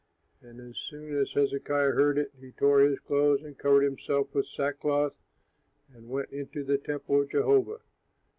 And as soon as Hezekiah heard it, he tore his clothes and covered himself with sackcloth and went into the temple of Jehovah.